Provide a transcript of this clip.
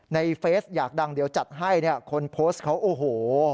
ในเฟสต์อยากดังเดี๋ยวจัดให้คนโพสต์เขาโอ้โห